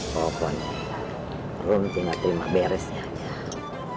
walaupun rum tinggal terima beresnya aja